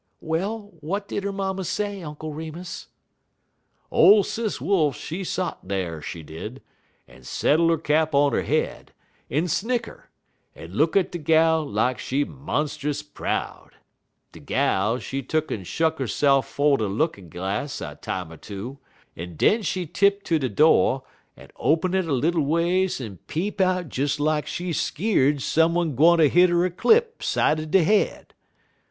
"Well, what did her mamma say, Uncle Remus?" "Ole Sis Wolf, she sot dar, she did, en settle 'er cap on 'er head, en snicker, en look at de gal lak she monst'us proud. De gal, she tuck'n shuck 'erse'f 'fo' de lookin' glass a time er two, en den she tipt ter de do' en open' it little ways en peep out des lak she skeer'd some un gwine ter hit 'er a clip side de head.